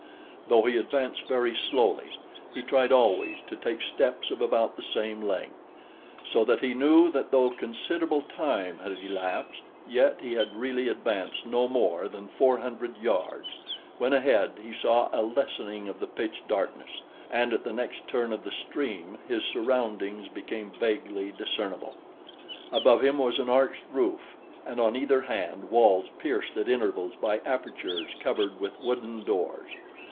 Though he advanced very slowly, he tried always to take steps of about the same length; so that he knew that though considerable time had elapsed, yet he had really advanced no more than four hundred yards when ahead he saw a lessening of the pitch darkness, and at the next turn of the stream his surroundings became vaguely discernible. Above him was an arched roof and on either hand walls pierced at intervals by apertures covered with wooden doors.